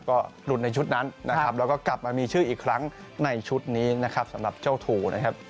ก็หลุดในชุดนั้นนะครับแล้วก็กลับมามีชื่ออีกครั้งในชุดนี้นะครับสำหรับเจ้าถูนะครับ